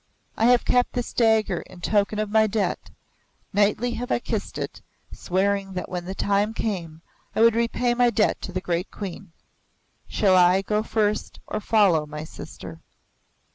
I have kept this dagger in token of my debt. Nightly have I kissed it, swearing that, when the time came, I would repay my debt to the great Queen. Shall I go first or follow, my sister?"